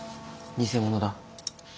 偽物だ。